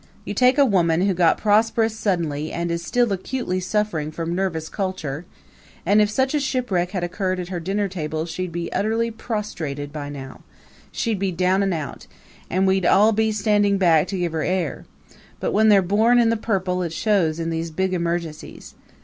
You take a woman who got prosperous suddenly and is still acutely suffering from nervous culture, and if such a shipwreck had occurred at her dinner table she'd be utterly prostrated by now she'd be down and out and we'd all be standing back to give her air; but when they're born in the purple it shows in these big emergencies.